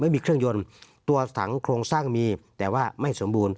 ไม่มีเครื่องยนต์ตัวถังโครงสร้างมีแต่ว่าไม่สมบูรณ